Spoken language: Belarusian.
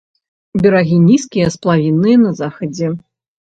Берагі нізкія, сплавінныя на захадзе.